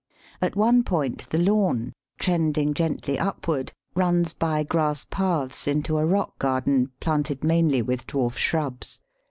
At one point the lawn, trending gently upward, runs by grass paths into a rock garden, planted mainly with dwarf shrubs.